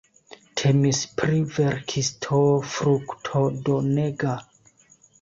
Temis pri verkisto fruktodonega.